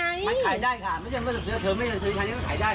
ขายได้ค่ะเธอไม่ได้ซื้อขายได้ไปเลย